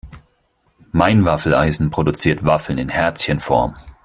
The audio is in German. Mein Waffeleisen produziert Waffeln in Herzchenform.